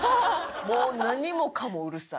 もう何もかもうるさい。